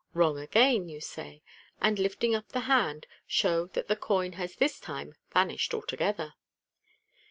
" Wrong again !" you say, and, lifting up the hand, show that the coin has this time vanished altogether.